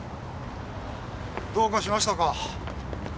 どうかしましたか？